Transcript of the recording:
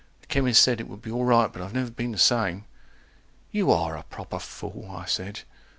160 The chemist said it would be alright, but I've never been the same. You are a proper fool, I said.